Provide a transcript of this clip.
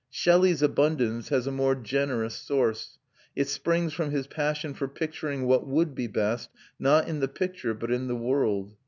Shelley's abundance has a more generous source; it springs from his passion for picturing what would be best, not in the picture, but in the world.